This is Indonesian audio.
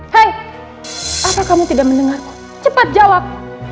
hei apa kamu tidak mendengarku cepat jawab